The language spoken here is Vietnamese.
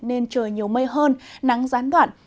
nên trời nhiều mây hơn nắng gián đoạn